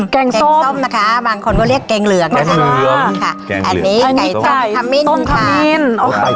แกงส้มนะคะบางคนก็เรียกแกงเหลืองนะคะอันนี้ไก่ส้มทำินค่ะ